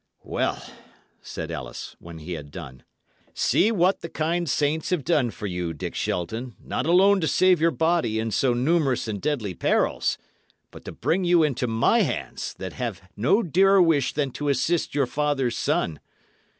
"Well," said Ellis, when he had done, "see what the kind saints have done for you, Dick Shelton, not alone to save your body in so numerous and deadly perils, but to bring you into my hands that have no dearer wish than to assist your father's son.